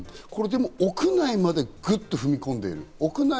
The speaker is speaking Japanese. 屋内までぐっと踏み込んでいる。